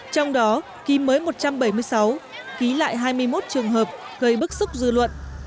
trong đó ký mới một trăm bảy mươi sáu ký lại hai mươi một trường hợp gây bức xúc dư luận